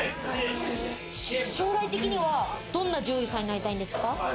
将来的には、どんな獣医さんになりたいですか？